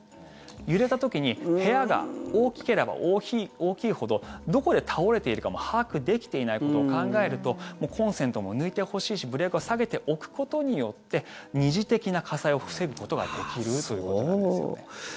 揺れた時に部屋が大きければ大きいほどどこで倒れているかも把握できていないことを考えるとコンセントも抜いてほしいしブレーカーを下げておくことによって二次的な火災を防ぐことができるということなんですよね。